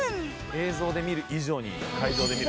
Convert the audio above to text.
映像で見る以上に会場で見ると。